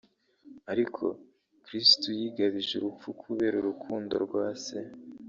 Ariko Kristu yigabije urupfu kubera urukundo rwa Se